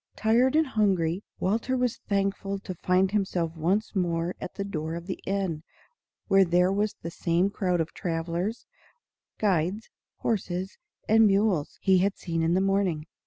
Tired and hungry, Walter was thankful to find himself once more at the door of the inn, where there was the same crowd of travellers, guides, horses, and mules he had seen in the morning.